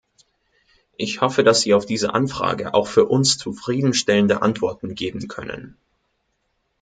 Ich hoffe, dass Sie auf diese Anfrage auch für uns zufriedenstellende Antworten geben können.